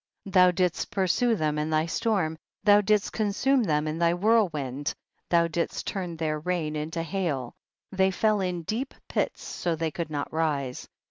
16. Thou didst pursue them in thy storm, thou didst consume them in thy whirlwind, thou didst turn their rain into hail, they fell in deep pits so that they could not rise.